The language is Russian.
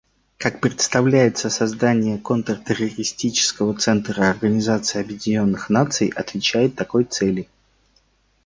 Как представляется, создание Контртеррористического центра Организации Объединенных Наций отвечает такой цели.